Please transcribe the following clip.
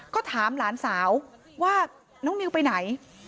ก็ถามหลานสาวว่าน้องนิวไปไหน